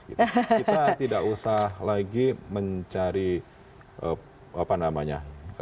kita tidak usah lagi mencari apa namanya